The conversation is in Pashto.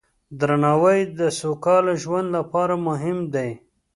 درناوی د سوکاله ژوند لپاره مهم دی.